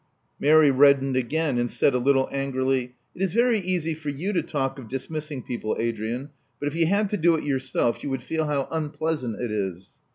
Mary reddened again, and said, a little angrily, It is very easy for you to talk of dismissing people, Adrian ; but if you had to do it yourself, you would feel how unpleasant it is."